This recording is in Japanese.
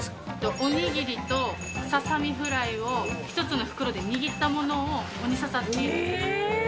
おにぎりとささみフライを一つの袋で握ったものをオニササっえー！